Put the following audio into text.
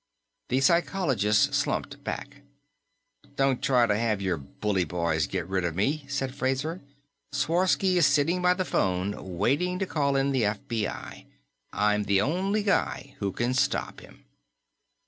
The psychologist slumped back. "Don't try to have your bully boys get rid of me," said Fraser. "Sworsky is sitting by the phone, waiting to call the FBI. I'm the only guy who can stop him."